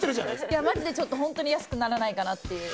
いやマジでちょっとホントに安くならないかなっていう。